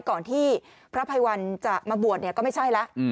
ก่อนที่พระภัยวันจะมาบวชเนี่ยก็ไม่ใช่แล้ว